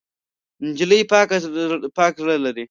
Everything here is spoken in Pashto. نجلۍ پاک زړه لري.